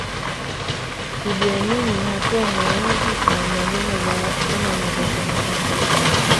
Idi Amin hakuwa muuaji na mla nyama za watu kama inavyosemekana